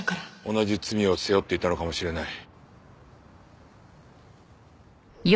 同じ罪を背負っていたのかもしれない。